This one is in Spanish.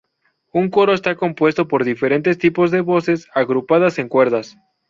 Un coro está compuesto por diferentes tipos de voces, agrupadas en cuerdas.